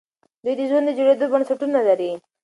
دوی د ژوند د جوړېدو بنسټونه لري.